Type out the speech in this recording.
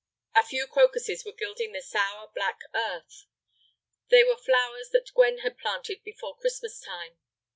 A few crocuses were gilding the sour, black earth. They were flowers that Gwen had planted before Christmas time.